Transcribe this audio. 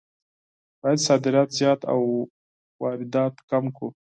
باید صادرات زیات او واردات کم کړو.